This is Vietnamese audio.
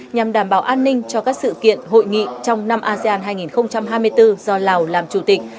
nhằm đảm bảo an ninh cho các sự kiện hội nghị trong năm asean hai nghìn hai mươi bốn do lào làm chủ tịch